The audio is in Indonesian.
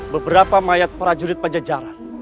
beberapa mayat para jurid pejajaran